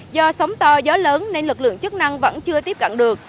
do sóng to gió lớn nên lực lượng chức năng vẫn chưa tiếp cận được